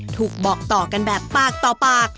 ถูกบอกต่อกันแบบปากต่อปาก